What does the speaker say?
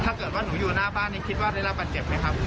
ถ้าเกิดว่าหนูอยู่หน้าบ้านนี้คิดว่าได้รับบาดเจ็บไหมครับ